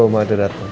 tuh mama udah datang